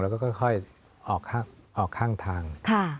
แล้วก็ค่อยออกข้างทาง